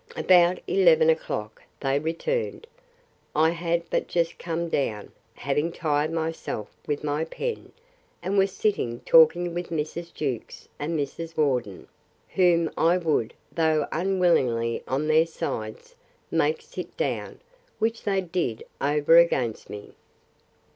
About eleven o'clock they returned. I had but just come down, having tired myself with my pen, and was sitting talking with Mrs. Jewkes and Mrs. Worden, whom I would, though unwillingly on their sides, make sit down, which they did over against me.